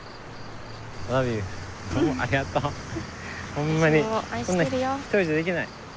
ほんまにこんなの１人じゃできない。